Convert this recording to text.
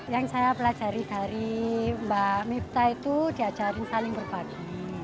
yang saya pelajari dari mbak mifta itu diajarin saling berbagi